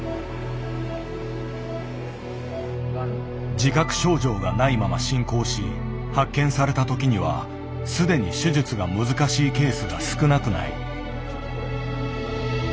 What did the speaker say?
自覚症状がないまま進行し発見された時にはすでに手術が難しいケースが少なくない。